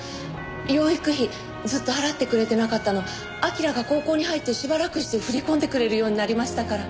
養育費ずっと払ってくれてなかったの彬が高校に入ってしばらくして振り込んでくれるようになりましたから。